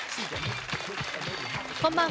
こんばんは。